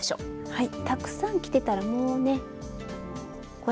はい。